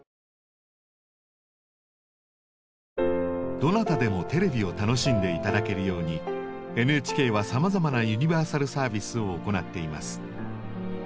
どなたでもテレビを楽しんで頂けるようにＮＨＫはさまざまなユニバーサルサービスを行っています。